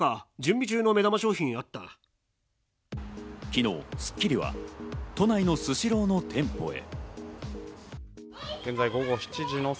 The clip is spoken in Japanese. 昨日『スッキリ』は都内のスシローの店舗へ。